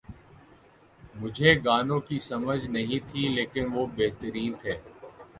مجھے گانوں کی سمجھ نہیں تھی لیکن وہ بہترین تھے